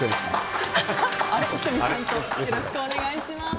よろしくお願いします。